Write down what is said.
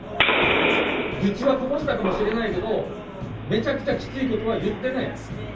愚痴はこぼしたかもしれないけどめちゃくちゃきついことは言ってない。